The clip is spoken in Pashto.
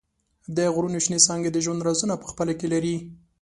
د غرونو شنېڅانګې د ژوند رازونه په خپلو کې لري.